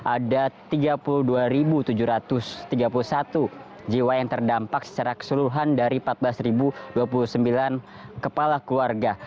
ada tiga puluh dua tujuh ratus tiga puluh satu jiwa yang terdampak secara keseluruhan dari empat belas dua puluh sembilan kepala keluarga